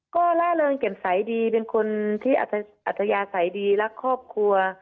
ก็ล่าเริงแจ่มใสดีเป็นคนที่อัธยาศัยดีรักครอบครัว